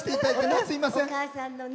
すいませんね。